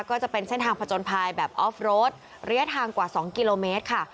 ก็จะเป็นเส้นทางผจญภัยแบบออฟโรดระยะทางกว่า๒กิโลเมตรค่ะ